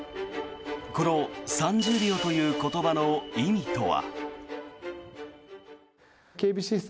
この３０秒という言葉の意味とは。